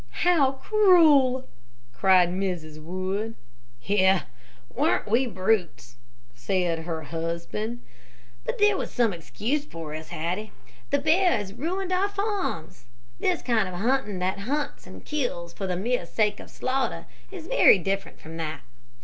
"How cruel!" cried Mrs. Wood. "Yes, weren't we brutes?" said her husband; "but there was some excuse for us, Hattie. The bears ruined our farms. This kind of hunting that hunts and kills for the mere sake of slaughter is very different from that.